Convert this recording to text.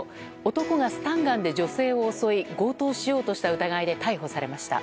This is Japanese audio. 男がスタンガンで女性を襲い強盗しようとした疑いで逮捕されました。